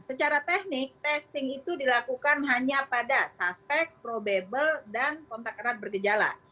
secara teknik testing itu dilakukan hanya pada suspek probable dan kontak erat bergejala